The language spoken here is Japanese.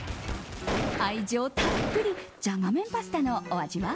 愛情たっぷりシャガ麺パスタのお味は。